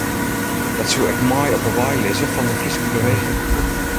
Dat soe ek mei op ’e wei lizze fan de Fryske Beweging.